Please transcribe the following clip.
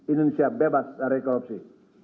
indonesia bebas dari korupsi